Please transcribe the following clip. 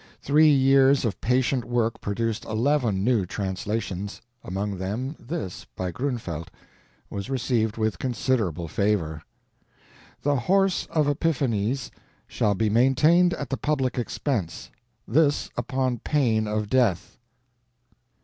Three years of patient work produced eleven new translations; among them, this, by Grunfeldt, was received with considerable favor: The horse of Epiphanes shall be maintained at the public expense; this upon pain of death.